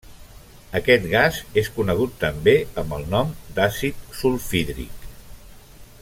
Aquest gas és conegut també amb el nom d'àcid sulfhídric.